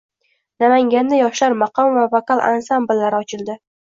Namanganda yoshlar maqom va vokal ansambllari ochildi